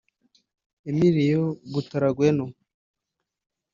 Emilio Butragueño